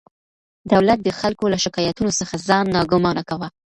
دولت د خلکو له شکایتونو څخه ځان ناګمانه کاوه.